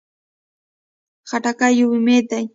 خټکی یو امید دی.